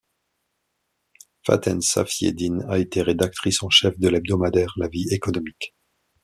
Faten Safieddine a été rédactrice en chef de l’hebdomadaire La vie Économique.